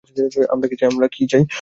আমরা কী চাই?